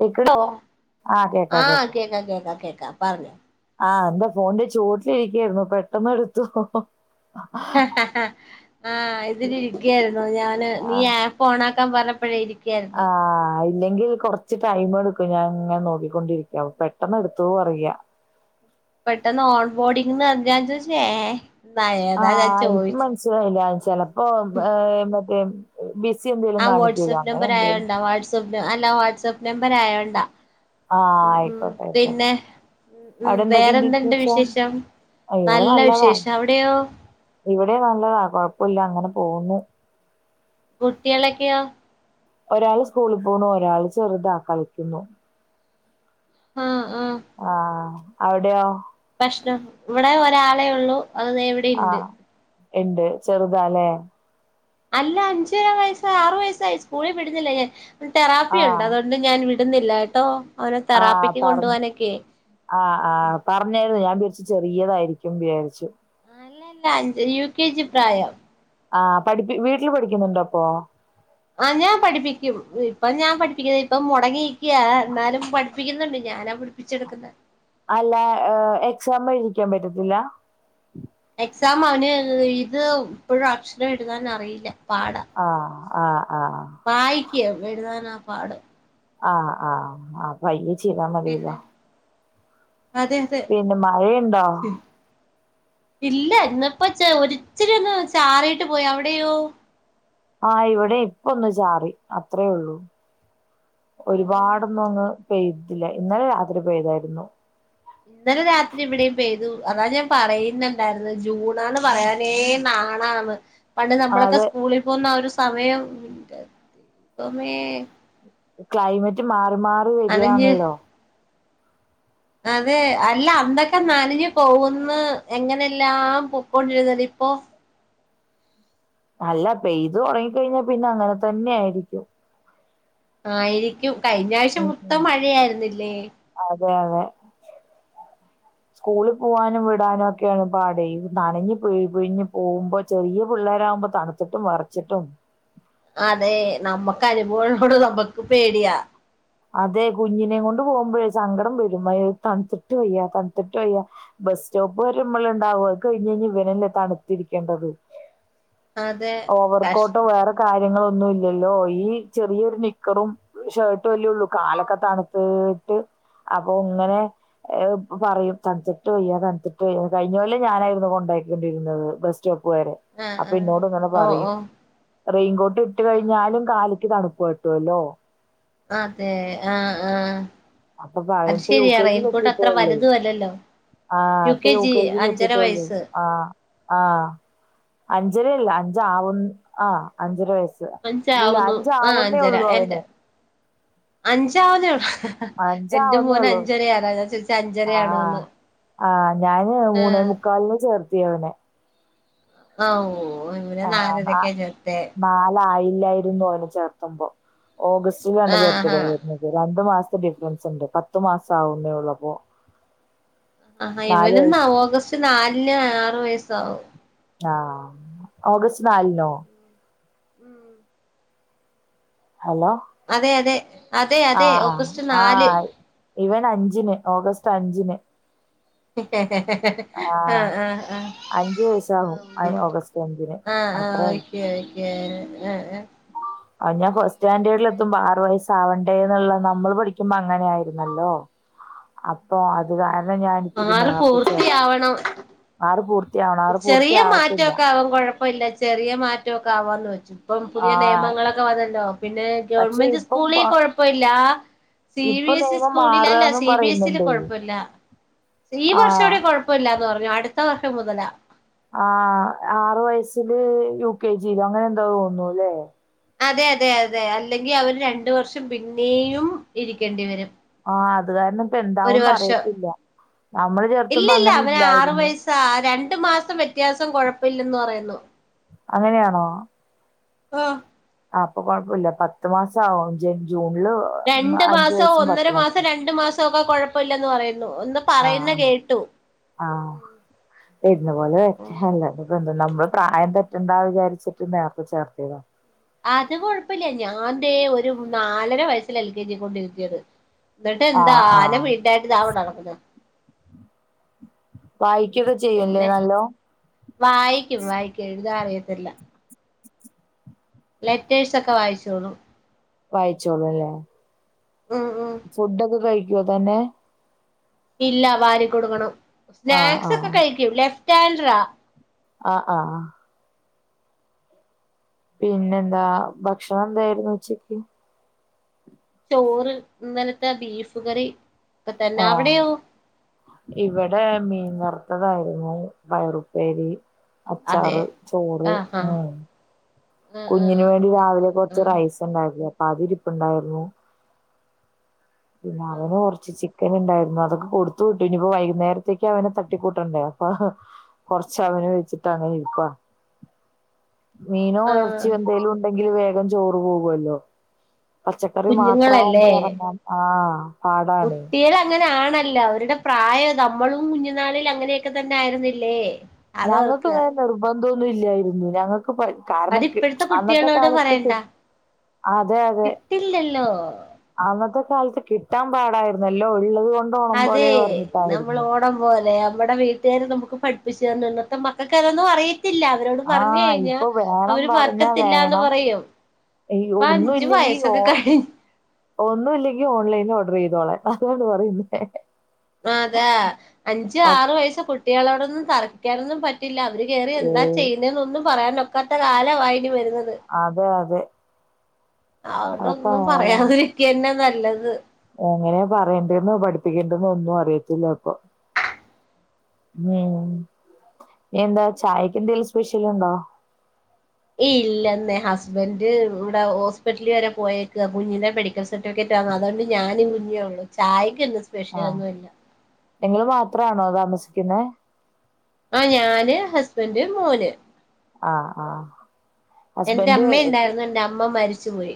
കേക്ക ആ കേക്കാം ആഹ് കേക്കാം കേക്കാം കേക്കാം പറഞ്ഞോ ആഹ് എന്താ ഫോണിന്റെ ചോട്ടിലിരിക്കായിരുന്നു പെട്ടെന്ന് എടുത്തോ ആഹ് ഇതിലിരിക്കായിരുന്നു ഞാന് ആ നീ ആപ്പ് ഓണാ [unintelligible] പറഞ്ഞപ്പെഴെ ഇരി ആ [unintelligible] ഇല്ലെങ്കിൽ കൊറച്ച് ടൈം എടുക്കും ഞാനിങ്ങനെ നോക്കി കൊണ്ടിരിക്കാവും പെട്ടന്ന് എടുത്തൊന്ന് പറയാ പെട്ടെന്ന് ഓൺ ബോർഡിങ് ഞാൻ ചോദിച്ചു ഏഹ് ആഹ് എനിക്ക് മനസിലായില്ല ചിലപ്പോ ഏഹ് മ [unintelligible] ആഹ് വാട്സ്അപ്പ് നമ്പർ ആയോണ്ടാ വാട്സ്അപ്പ് അല്ല വാട്സ് ആപ്പ് നമ്പർ ആയോണ്ടാ ആ ഉം ഉം അയിക്കോട്ടെ അയിക്കോട്ടെ പിന്നെ ഉം ഉം അവിടെ എന്തൊക്കെണ്ട് വേറെന്തുണ്ട് വിശേഷം ഇവിടെ നല്ല നല്ലതാ വിശേഷം അവിടെയോ ഇവിടെ നല്ലതാ കൊഴ്പ്പൂല്ല അങ്ങനെ പോന്ന് കുട്ട്യളൊക്കെയോ? ഒരാള് സ്കൂളിൽ പോണു ഒരാള് ചെറുതാ കളിക്കുന്നു ആഹ് ആഹ് ആ അവിടെയോ? പ്രശ്നം ഇവിടെ ഒരാളെ ഒള്ളൂ അത് ദേ ഇവിടെയിണ്ട് ഇണ്ട് ചെറുതാലേ? അല്ല അഞ്ചര വയസ് ആറു വയസ്സായി സ്കൂളിൽ വിടുന്നില്ല ഞാൻ തെറാപ്പി ഉണ്ട് അതുകൊണ്ട് ഞാൻ വി ട്ടുന്നില്ലാട്ടോ ആഹ് പറഞ്ഞ് ആഹ് ആഹ് പറഞ്ഞായിരുന്നു ഞാൻ പി ച്ച് ചെറിയതായിരിക്കും വിചാരിച്ചു ആ അല്ലല്ല അഞ്ച് യു കെ ജി പ്രായം ആ പഠിപ്പി വീട്ടില് പഠിക്കുന്നുണ്ടോ അപ്പൊ? ആ ഞാൻ പഠിപ്പിക്കും ഇപ്പൊ ഞാൻ പഠിപ്പിക്കുന്നത് ഇപ്പൊ മൊടങ്ങി ക്കിയാ ന്നാലും പഠി പ്പിക്കുന്നുണ്ട്. ഞാനാ പുടിപ്പിച്ചെടുക്കുന്നെ. അല്ല എക്സാം എഴുതിക്കാൻ പറ്റത്തില്ല? സാം അവന് ഇത് ഇപ്പഴും അക്ഷരം എഴുതാൻ അറിയില്ല. ആഹ് ആ ആ വായി ക്കും എഴുതാനാ പാട് ആഹ് ആഹ് ആ പയ്യേ പിന്നെ അതെ അതെ പിന്നെ മഴയുണ്ടോ ഇല്ല ഇന്നിപ്പ ച് ഒരിച്ചിരി ഒന്ന് ചാറിയിട്ട് പോയ് അവിടെയോ? ആഹ് ഇവിടെ ഇപ്പ ഒന്ന് ചാറി അത്രേ ഉള്ളൂ ഓ ഓ ഒരുപാടൊന്നും അങ്ങ് പെയ്തില്ല ഇന്നലെ രാത്രി പെയ്തായിരുന്നു ഇന്നലെ രാത്രി ഇവിടെയും പെയ്തു അതാ ഞാൻ പറയുന്നുണ്ടായിരുന്നു ജൂണാന്ന് പറയാനേ നാണാന്ന് പണ്ട് ആ, നമ്മളൊക്കെ അത് സ്കൂളിൽ പോകുന്ന ആ ഒരു സമയം എന്റെ ദൈവമേ ക്ലൈമറ്റ് മാറി മാറി വര നനഞ്ഞ് ആണല്ലോ അതെ അല്ല അന്നൊക്കെ നനഞ്ഞ് പോകുന്ന് എങ്ങനെല്ലാം പൊക്കൊണ്ടിരുന്നത് ഇപ്പോ അല്ല പെയ്ത് തുടങ്ങിക്കഴിഞ്ഞാ പിന്നെ അങ്ങനെ തന്നെ ആയിരിക്കും ആയിരിക്കും കഴിഞ്ഞ ആഴ്ച മൊത്തം മഴയായിരുന്നില്ലേ തെ അതെ സ്കൂളിൽ പോവാനും വിടാനും ഒക്കെയാണ് പാടെ ഇത് നനഞ്ഞ് പിഴിഞ്ഞ് പോകുമ്പോ ചെറിയ പിള്ളോരാവുമ്പോ തണുത്തിട്ടും വിറച്ചിട്ടും അതെ നമ്മക്ക് അനുഭവം ഉള്ളതുകൊണ്ട് നമ്മുക്ക് പേടിയാ അതെ കുഞ്ഞിനെ കൊണ്ട് പോകുമ്പഴേ സങ്കടം വരും മഴയത്ത് തണുത്തിട്ട് വയ്യാ തണുത്തിട്ട് വയ്യ ബസ് സ്റ്റോപ്പ് വരെമ്മൾ ഉണ്ടാവും അത് കഴിഞ്ഞഞ് ഇവരല്ലേ തണുത്തിരിക്കേണ്ടത് അതെ ഓവർക്കോട്ടോ കഷ്ടം വേറെ കാ ര്യങ്ങളൊന്നും ഇല്ലല്ലോ ഈ ചെറിയൊരു നിക്കറും ഷർട്ടും അല്ലേള്ളൂ കാലൊക്കെ തണുത്തീട്ട് അപ്പൊ ഇങ്ങനെ പറയും തണുത്തിട്ട് വയ്യ തണുത്തിട്ട് വയ്യ കഴിഞ്ഞ കൊല്ലം ഞാനായിരുന്നു കൊണ്ടാക്കിക്കൊണ്ടിരുന്നത് ബസ് സ്റ്റോപ്പ് വരെ ആഹ് അപ്പൊ ആഹ് ഇന്നോട് ഇങ്ങനെ ഓ പറയും ഓ റെയിൻകോട്ട് ഇട്ടു ആഹ് കഴിഞ്ഞാലും കാല് [unintelligible] തണുപ്പ് കിട്ടുവല്ലോ അതെ ആഹ് ആ അപ്പൊ പറയും ഇപ്പ യു കെ ജിൽ എത്തിട്ടേള്ളേ വലുതുമല്ലല്ലോ ആ ഇപ്പ യു ജി കെ ജിൽ അഞ്ചര എത്തിട്ടേള്ളു വയസ്സ് ആ ആഹ് അഞ്ചരയില്ല അഞ്ച് ആവുന്ന ആ അഞ്ചര വയ സാ ഇല്ല അഞ്ചാവുന്നു അഞ്ച് ആവുന്നേ ഉള്ളൂ അവന് അഞ്ചാവന്നേ [unintelligible] എന്റെ മോന് അഞ്ചരയാ അതാ ചോയ് ആഹ് ആഹ് ഞാന് ആ മൂന്നേമുക്കാലിന്ന് ചേർ ത്തി ഇവനെ അ ഊ ആ നാ നാലായി ല്ലായിരുന്നു അവനെ ചേർത്തുമ്പം ഓഗസ്റ്റിലാണ് ആഹാ ബർത്ത്ഡേ വര്നത് രണ്ടു മാസ ഡിഫറൻസ് ഉണ്ട് പത്തു മാസം ആവുന്നേ ഉള്ളപ്പോ ആഹാ ഇവന് ന്നാഓഗസ്റ്റ് നാലിന് ആറു വയസ് സ്റ്റാകും ആ ഓഗസ്റ്റ് നാലിനോ ഉം ഹലോ അതെ അതെ അതെ ആ അതെ ആ ഓഗസ്റ്റ് ആ, നാല് ഇവൻ അഞ്ചിന് ഓഗസ്റ്റ് അഞ്ചിന് ഹെ ഹെ ആ ആ അഞ്ച് ആ വയസ്സാകും അ- ഉം ഓഗസ്റ്റ് അഞ്ചിന് ആ ആ അത്രേ ഉള്ളൂ. ഓക്കെ ഓക്കെ അ ഞാൻ ഫ സ്റ്റാൻഡേർഡിൽ പിന്നെ എത്തുമ്പോആറ് വയസ് സാവണ്ടേഎന്നുള്ള നമ്മള് പഠിക്കുമ്പോ അങ്ങനയിരുന്നല്ലോ അപ്പോ അത് കാര ണം ഞാനിത്തിരി നേർത്ത ചേ വണം ചെറിയ പൂർത്തിയാവത്തില്ല മാറ്റവൊക്കെ ആവാം കൊഴപ്പയില്ല ചെറിയ മാറ്റവൊക്കെ ആവാന്ന് വെച്ചു ഇപ്പം ആ പുതിയ നിയമങ്ങളൊക്കെ വന്നല്ലോ പിന്നെ പക്ഷെ ഗവൺമെന്റ് ഇപ്പം പ സ്കൂളിൽ കൊഴപ്പയില്ല സി ഇപ്പൊ ബി എസ് ഇ നിയമം സ്കൂളിൽ അല്ല മാറാന്നും സി ബി എസ് ൽ പറയുന്നുണ്ടേ കൊഴപ്പയില്ല ഈ ആ വർഷം കൂടെ കൊഴപ്പയില്ലാന്ന് പറഞ്ഞു അടു ത്ത വർഷം മുതല ആ ആറു വയസില് യു കെ ജിയിലും അങ്ങനെ എന്താ തോന്നുന്നുല്ലേ അതെ അതെ അതെ അല്ലെങ്കി അവര് രണ്ടു വർഷം പിന്നെയും ഇരിക്കേണ്ടി വരും ആ അതുകാരണം ഇപ്പ ഒരു എന്താവൂന്ന് വർഷം അറിയത്തില്ല നമ്മള് ചേർത്തുമ്പ അങ്ങനെ ഇല്ലായിരുന്നു രണ്ടു മാസം വ്യത്യാസം കൊഴപ്പയില്ലെന്ന് പറയുന്നു അങ്ങനെയാണോ ആ ആ അപ്പൊ കൊഴപ്പ ല്ല പത്ത് മാസം ആവും ജാത്തി രണ്ട് മാസോ ഒന്നര മാസം രണ്ട് മാസോക്കൊ കൊഴപ്പയില്ലെന്ന് പറയു ആ ആ വെരുന്ന പോലെ വരട്ടെ അല്ലാതെ [unintelligible] നമ്മള് പ്രായം തെറ്റണ്ടാ വിചാരിച്ചിട്ട് നേർത്തെ ചേർത്തിയതാ അത് കൊഴപ്പില്ല ഞാൻ ദേ ഒരു നാലര വയസ്സിലാ എൽ കെ ജി കൊണ്ടിരുത്തിയത് എന്നിട്ട് എന്താ ആഹ് ആന ആഹ് വീട്ടായിട്ട്താവന്നു കെടക്കുന്നു വായിക്കൊക്കെ ചെയ്യൂല്ലേ പിന്നെ നല്ലോ വായിക്കും വായിക്കും എഴുതാ അറിയത്തില്ല ലെറ്റേഴ്സൊക്കെ വായിച്ചോളൂ വായിച്ചോളൂ അല്ലേ ഉം ഉം ഫുഡൊക്കെ കൈ ക്കോ തന്നെ ഇല്ല വാരി കൊടുക്കണം ആഹ് സ്നാക്സ് ഒക്കെ കഴിക്കൂല്ലേ ഫ് റ്റെന്റ്രാ ആ ആ ആ പിന്നെന്താ ഭക്ഷണം എന്തായിരുന്നു ഉച്ചക്ക് ചോറ് ഇന്നലത്തെ ബീഫ് കറി ഒക്ക തന്നാ ആഹ് അവിടെയോ ഇവിടെ മീൻ വറുത്തതായിരുന്നു പയറുപ്പേരി അതെ അച്ചാറ് ചോറ് ആഹ് ആ ആഹ് ആഹ് കുഞ്ഞിന് ആഹ് വേണ്ടി രാവിലെ ആഹ് കൊറച്ച് ആഹ് റൈസ് ഉണ്ടാക്കിയെ അതിരിപ്പുണ്ടായിരുന്നു പിന്നെ ആഹ് അവന് കൊറച്ച് ചി [inaudible] ഇണ്ടായിരുന്നു അതൊക്കെ കൊടുത്തു വിട്ടു ഇനിപ്പോ വൈകുന്നേരത്തേക്ക് അവനെ തട്ടിക്കൂട്ടണ്ടേ അപ്പൊ കൊറച്ച് അവന് വെച്ചിട്ട് അങ്ങനെ ഇരിക്കാ മീനും [unintelligible] ചി ആഹ് എന്തേലും ഉണ്ട് യി വേഗം ചോറ് വേവല്ലോ പച്ചക്കറി മാത്രമാവുമ്പോ കുഞ്ഞുങ്ങളല്ലേ ഇറങ്ങാ ആ കുട്ടികൾ അങ്ങനെണ് ന്നല്ല അവരുടെ പ്രായം നമ്മളും കുഞ്ഞിനാളില്‍ അങ്ങനെയൊക്കെ തന്നെ ആയിരുന്നില്ലേ ഞങ്ങൾക്ക് അതോർക്കുക വേ നിർബ ന്തുല്ലയ്നി ഞങ്ങ പ്പക്കര് അത് കാരണം ഇപ്പോഴത്തെ അന്നത്തെ കുട്ടികളോട് കാലത്ത് കു പറയണ്ട അതെ അതെ കിട്ടില്ലല്ലോ അന്നത്തെ കാലത്ത് കിട്ട് എത്താന്‍ പാടായിരുന്നല്ലോ ഉള്ളത് കൊ അതെ നമ്മൾ ഓണം പോലെ നമ്മുടെ വീട്ടുകാര് നമുക്ക് പഠിപ്പിച്ചു തന്ന് ഇന്നത്തെ മക്കൾക്ക് അതൊന്നും അറിയ ആ ഇപ്പൊ വേണം പറഞ്ഞാ പറ്റത്തില്ലാന്ന് വേണം പറയും ഈ ഇപ്പൊ ഒന്നും അഞ്ചു ഇല്ലെങ്കില്‍ വയസ്സൊക്കെ കഴി ഒന്നും ഇല്ലെങ്കില്‍ ഓൺലൈനി ഓർഡർ ചെയ്തോളാൻ അതാണ് പറയുന്നേ അതെ അഞ്ച് ഓക്കേ ആറു വയസ്സ് കുട്ടികളാണ് [unintelligible] പറ്റില്ല അവര് കെറി എന്താ ചെയ്യുന്നെന്നൊന്നും പറയാൻ നോക്കാത്ത കാലമായിനി വരു അതെ അതെ അതൊക്കെ അതൊന്നും പറയാതിരിക്കുകന്നെ നല്ലത് ത് എങ്ങനെയ പറയേണ്ടന്ന് പഠിപ്പിക്കേണ്ടന്ന ഒന്നും അറിയത്തില്ല ഇപ്പൊ ഉം എന്താ ചായക്ക് എന്തെിലും സ്പെഷ്യല് ഉണ്ടോ ഇല്ലന്നെ ഹസ്ബന്‍ഡ് ഇവിടെ ഹോസ്പിറ്റല്‍ വരെ പോയേക്ക കുഞ്ഞിൻറെ മെഡിക്കൽ സർട്ടിഫിക്കറ്റ് [unintelligible] അതുകൊണ്ട് ഞാനും കുഞ്ഞേ ഉള്ളു ചായ ഇന്ന് സ്പെഷ്യൽ ഒന്നും ഇല്ല നിങ്ങള്‍ മാത്രമാണോ താമസിക്കുന്ന ആഹ് ഞാന്‍ ഹസ്ബന്‍ഡ് മോന് ആ ആ എന്റെ ഹസ്ബൻഡ് അമ്മ ഉണ്ടായിരുന്നു എന്റെ അമ്മ മരിച്ചുപോയി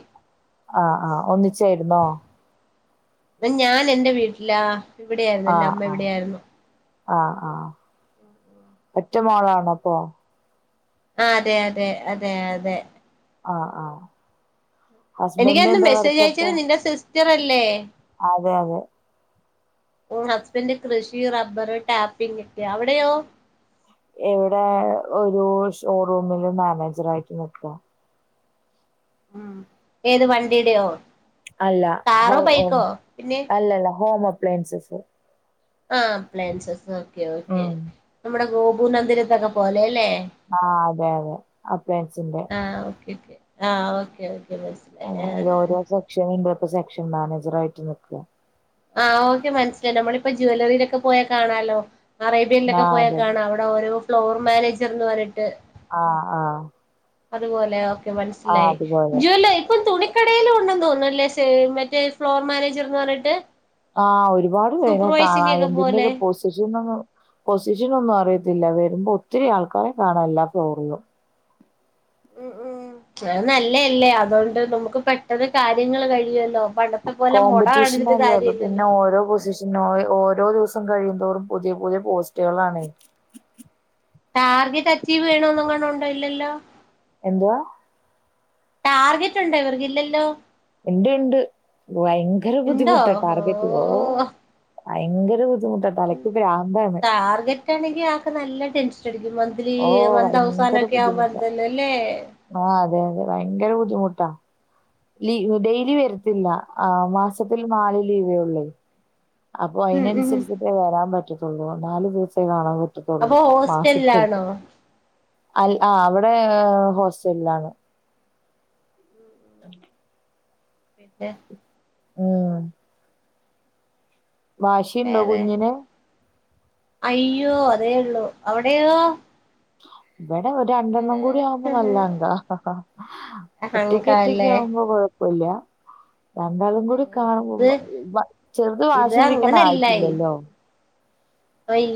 ആ ആ ഒന്നിച്ചായിരുന്നോ ഞാൻ എന്റെ വീട്ടിൽ ഇല്ല ഇവിടെയായിരുന്നു ആ എന്റെ അമ്മ ആ ഇവിടെയായിരുന്നു ആ ആ ഒറ്റ ഉം മോളാണോ അപ്പൊ ആ അതെ അതെ അതെ അതെ ആ ആ എനിക്ക് ഹസ്ബൻഡ് എന്നു എന്താ മെസ്സേജ് വർക്ക് അപ്പോ അയച്ചല് നിന്റെ സിസ് റ്ററല്ലേ അതെ അതെ ഓ ഹസ്ബൻഡ് കൃഷി റബ്ബർ ടാപ്പിങ് ഒക്കെയ അവിടെയോ എവിടെ ഒരു ഷോറൂമില് മാനേജർ ആയിട്ട് നിൽക്കുവ ഉം ഏത് വണ്ടിടെയോ അല്ല ഹ പിന്നെ അല്ലല്ല ഹോമ ലൈസൻസ് ആ പ്ലാൻസസ് ആ ഓക്കേ ഓക്കേ ഉം നമ്മുടെ പൂന്നന്തിരത്തൊക്കെ പോലെ അല്ലേ ആഹ അതെ അതെ അപ്പേച്ചിറെ ആഹ ഓക്കെ ഓക്കെ മനസ്സിലായി ആ ഓരോ ആ സെക്ഷൻ [unintelligible] പ്പ സെക്ഷൻ മാനേജർ ആയിട്ട് നിക്ക്അ ആഹ് ഓക്കെ മനസ്സിലായി. നമ്മളിപ്പ ജുവലറീലൊക്കെ പോയ കാണാലോ അറേബ്യൻലക്കെ ആഹ് പോയാ അതെ കാണാം അവിടെ ഓരോ ഫ്ലോർ മാനേജർന്ന് പറഞ്ഞിട്ട് ആആ അതുപോലെ മനസ്സിലായി. ജ്വല്ല ഇപ്പം തു ക്കടേലു ഒണ്ടെന്ന് തോന്ന്ന്നല്ലോ സെ മറ്റേ ഫ്ലോർ മാനേജർന്ന് പറഞ്ഞിട്ട് ആ ഒരുപാട് പേരെ കാണാ സൂപ്പർവൈസിംഗ് ഒക്കെ പോലെ എന്തിന്റെക്കെ പൊസിഷൻ ഒന്നും പൊസിഷന ഒന്നും അറിയത്തില്ല വരുമ്പോ ഒത്തിരി ആൾക്കാരെ കാണാം എല്ലാ ഫ്ലോറിലും ഉ ഉം അ നല്ലല്ലേ അതോണ്ട് നമുക്ക് പെട്ടെന്ന് കാര്യങ്ങള് കഴിയല്ലോ കോമ്പറ്റീഷനല്ലേ അപ്പൊ പിന്നെ ഓരോ പൊസിഷൻ ഓരോ ദിവസ കഴിയന്തോറും പുതിയ പുതിയ പോസ്റ്റുകളാണ് ടാർഗറ്റ് അച്ചീവ് ചെയ്യണന്നുങ്ങാണ്ടൊണ്ടൊ ഇല്ലല്ലോ എന്തുവാ ടാർഗറ്റ് ഉണ്ടോ ഇവർക്കില്ലല്ലോ എണ്ട് ഇണ്ട് ഭയങ്കര ബുദ്ധിമുട്ട് ടാർഗറ്റ് ഓ ഭയങ്കര ബുദ്ധി ടാർഗറ്റ് ആണെങ്കിൽ ആക്ക നല്ല ടെൻഷ മന്ത്‌ലി ഓ മന്ത് ഭയങ്കര ബുദ്ധിമുട്ടാ. അവസാനക്കെയാവ്മ്പോ ട്ട ലീ ഡെയിലി വരത്തില്ല ആ മാസത്തിൽ നാല് ലീവേ ഉള്ളേ അപ്പൊ ഉം ഉം അയ്നനുസരിച്ചിട്ട് വരാൻ പറ്റു നാല് ദിവസേ കാണു അപ്പൊ ഹോസ്റ്റലിലാണോ അൽ ആ അവിടെ ഹോസ്റ്റലിലാണ് [unintelligible] ഏ ഉം വാശിയണ്ടോ വേറെ കുഞ്ഞിനെ അയ്യോ അതേ ഉള്ളൂ അവിടെയയോ [unintelligible] ഇവിടെ ഒരു രണ്ടെണ്ണം കൂടി ആവുമ്പോ നല്ലങ്കാ ഒറ്റക്ക് ഒറ്റക്ക അഹങ്കാല്ലേ ആവുമ്പോഴ വല്ല രണ്ടാളും കൂടി ഇത് കാണുമ്പോ ചെറുത് ഇത് വാശി പിിടിക്കൻ അങ്ങനല്ല ആയിട്ടില്ലല്ലോ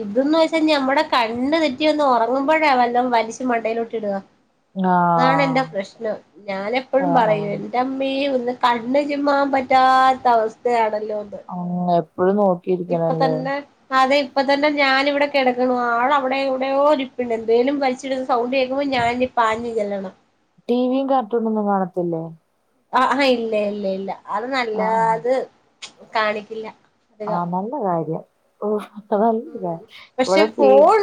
ഇതന്ന് വെച്ചാ നമ്മടെ കണ്ണ് തെറ്റി വന്ന് ഉറങ്ങുമ്പോഴാ വല്ലാം വലിച്ചച്ച് മണ്ടയില ഇട്ടി ഇടുക അതാണ് ആഹ് എന്റെ പ്രശ്നം ഞാൻ എപ്പോഴും ആഹ് പറയൂ ആഹ് എന്റെ അമ്മ കണ്ണു ചിമ്മാൻ പറ്റാത്ത അവസ്ഥയാണ്. ആ എപ്പോഴും നോക്കിരിക്കണല്ലേ ഇപ്പ തന്നെ ഞാാനിവിടെ കിടക്കണം ആൾവിടെ ഇവിടെയോ ഇരിപ്പ എന്തെേലും വരിച്ചിടുുന്ന സൗണ്ട് കേൾക്കുമ്പോൾ ഞാനി പാഞ്ഞ് ചെല്ലണം ടിവിയും കാർട്ടൂണ ഒന്നും കാണത്തില്ലേ ആ ആഹ ഇല്ലേ ഇല്ല ഇല്ല അത് ആഹ് നല്ലത് കാണിക്കില്ല അധികം ആഹ നല്ല കാര്യം ഓ പക്ഷെ ഫോൺ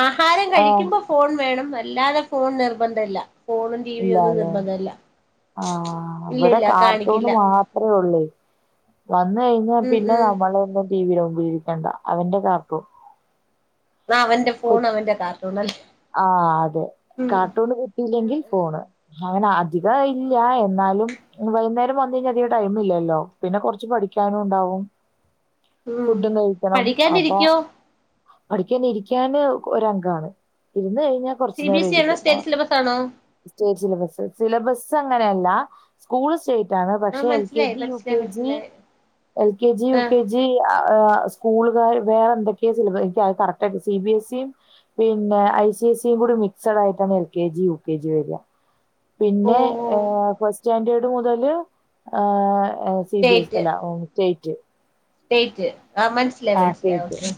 ആഹാരം ആഹ് കഴിക്കുമ്പോ ഫോൺ വേണം അല്ലാതെ ഫോൺ നിർബന്ധ ഇല്ല ഫോണും ടിവിയും ഒന്നും നിർബന്ധല്ല ആഹ ഇല്ല അവിടെ ഇല്ല കാർട്ടൂണ് കാണിക്കില്ല മാത്രമേ ഉള്ളൂ വന്ന കഴിഞ്ഞാൽ ഉം പിന്നെ ഉം നമ്മള എന്ത [unintelligible] ജീവിക്കണ്ട അവന്റെ കാപ്പും ആ അവന്റെ ഫോൺ അവൻന്റെ കാർ ആ അതെ കാർട്ടൂണ് കിട്ടിയില്ലെങ്കിൽ ഫോണ് അങ്ങനെ അധികം ഇല്ല എന്നാലും വൈകുന്നേരം വന്ന കഴിഞ്ഞ അധികം ടൈമ ഇല്ലല്ലോ പിന്നെ കൊറച്ച് പഠിക്കാനും ഉണ്ടാവും ഉം ഫുഡും കഴിക്കണം. അപ്പൊ പഠിക്കാാനിരിക്കോ പഠിക്കാൻ ഇരിക്കാന് ഒരംഗാണ്. ഇരുന്നെകഴി സി ബി എസ് ഇ ആണോ ഞാൻകുറച്ച്നേരംഇരിക്കും സ്റ്റേറ്റ് സിലബസ് ആണോ [unintelligible] അങ്ങനെയല്ല സ്കൂൾ അതെ ആ പക്ഷെ എൽ കെ മനസ്സിലായി ജി യു കെ മനസ്സിലായി ജി മനസ്സിലായി എൽ കെ ജി യു ആ കെ ജി സ്കൂളുകർ വേറെ എന്തൊക്കെയാ സിലബ എനിക്ക് അ കറക്റ്റ് ആയിട്ട് സി ബിസിയും പിന്നെ ഐ സി സിയും കൂടി മിക്സഡ് ആയിട്ടാണ് L K G U K G വരിക. ഓ പിന്നെ ഓ ആ ഫാസ്റ്റ് ചാൻഡിയേഡ് മുതല് ആഹ്‌ സി ബി എസ് സ്റ്റേറ്റ് എല്ലഓ റ്റ് സ്റ്റേറ്റ് ആഹ് മനസ്സിലായി മനസ്സിലായി ഓക്കെ.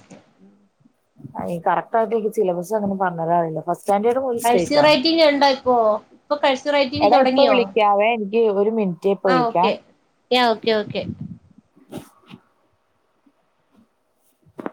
ഈ കറക്റ്റ് ആയിട്ട് എനിക്ക് സിലബസ് അങ്ങനെ പറഞ്ഞരാറില്ലഫാസ്റ്റ് കൺസിവ്റൈറ്റിങ്ഉണ്ടോയിപ്പോ ഇപ്പൊകൺസിവ്റൈറ്റിങ് തുടങ്ങിയോ ഡീ ഒരു മിനിറ്റ് ഇപ്പൊ ആ വിളിക്കാം ഓക്കെ യ്യ ഓക്കെ ഓക്കെ